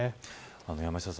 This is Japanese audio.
山下さん